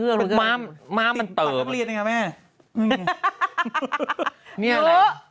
เหลือ